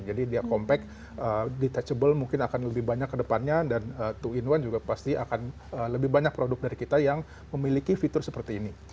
dia compact detachable mungkin akan lebih banyak ke depannya dan to in satu juga pasti akan lebih banyak produk dari kita yang memiliki fitur seperti ini